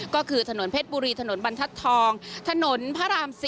ก็คือถนนเพชรบุรีถนนบรรทัศน์ทองถนนพระราม๔